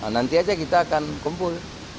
nanti aja kita akan kumpul